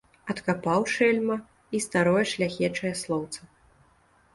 Адкапаў, шэльма, і старое шляхечае слоўца.